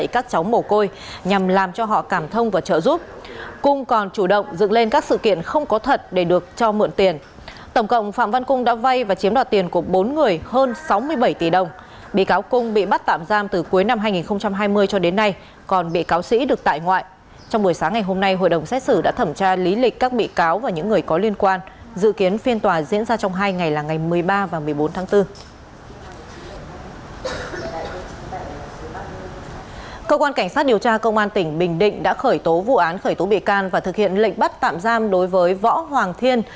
cảnh sát điều tra công an tỉnh bình định đã khởi tố vụ án khởi tố bị can và thực hiện lệnh bắt tạm giam đối với võ hoàng thiên